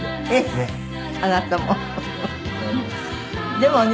でもね